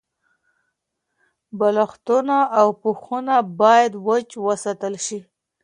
بالښتونه او پوښونه باید وچ وساتل شي.